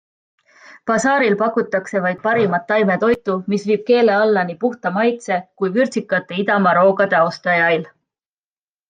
Basaaril pakutakse vaid parimat taimetoitu, mis viib keele alla nii puhta maitse kui vürtsikate idamaaroogade austajail.